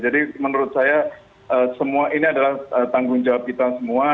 jadi menurut saya ini adalah tanggung jawab kita semua